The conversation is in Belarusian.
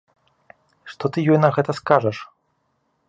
Што ты ёй на гэта скажаш?!